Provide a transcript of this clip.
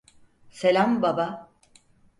Selam, baba.